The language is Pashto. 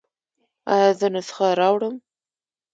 ایا زه نسخه راوړم؟